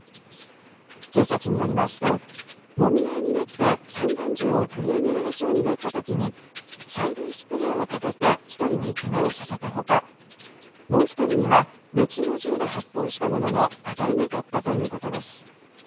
警察によりますともみ合いになって散弾銃を取り上げられそうになったときに催涙スプレーをかけて１人にけがをさせたほかもう１人には別の銃で発砲したものの当たらなかったということです。